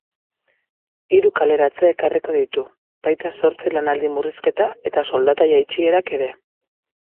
Hiru kaleratze ekarriko ditu, baita zortzi lanaldi murrizketa eta soldata jeitsierak ere.